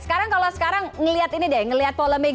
sekarang kalau sekarang ngeliat ini deh ngeliat polemik